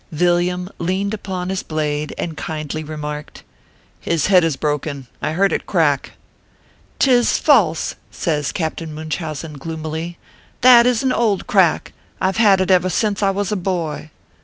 Villiam leaned upon his blade, and kindly re marked :" His head is broken ; I heard it crack." " Tis false !" says Captain Munchausen, gloomily ; "that is an old crack I ve had it ever since I was a boy."